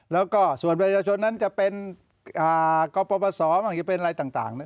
แล้วก็ส่วนประชาชนนั้นจะเป็นกปศบ้างจะเป็นอะไรต่าง